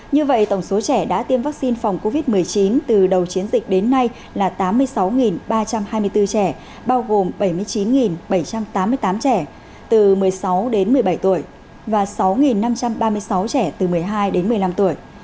như vậy tổng số trẻ đã tiêm vaccine phòng covid một mươi chín từ đầu chiến dịch đến nay là tám mươi sáu ba trăm hai mươi bốn trẻ bao gồm bảy mươi chín bảy trăm tám mươi tám trẻ từ một mươi sáu đến một mươi bảy tuổi và sáu năm trăm ba mươi sáu trẻ từ một mươi hai đến một mươi năm tuổi